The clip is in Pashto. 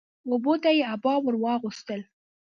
اوبو ته يې عبا ور واغوستل